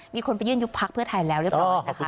มีคนไปยื่นยุบพักเพื่อทายแล้วหรือเปล่า